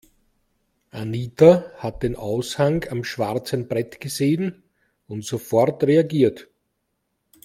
Anita hat den Aushang am schwarzen Brett gesehen und sofort reagiert.